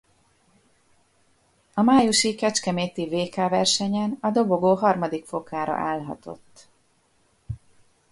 A májusi kecskeméti vk versenyen a dobogó harmadik fokára állhatott.